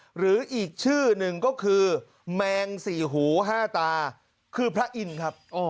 หรืออีกชื่อหนึ่งก็คือแมงสี่หูห้าตาคือพระอินทร์ครับ